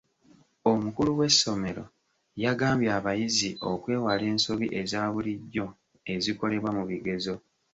Omukulu w'essomero yagambye abayizi okwewala ensobi eza bulijjo ezikolwa mu bigezo.